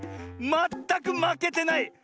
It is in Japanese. まったくまけてない！